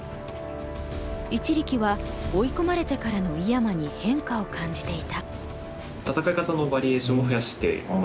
一力は追い込まれてからの井山に変化を感じていた。